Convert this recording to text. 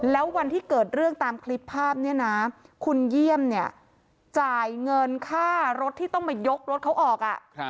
แล้ววันที่เกิดเรื่องตามคลิปภาพเนี่ยนะคุณเยี่ยมเนี่ยจ่ายเงินค่ารถที่ต้องมายกรถเขาออก